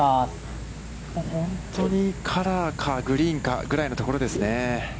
本当にカラーかグリーンかぐらいのところですね。